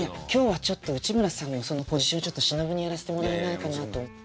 今日はちょっと内村さんのそのポジションをちょっと忍にやらせてもらえないかなと。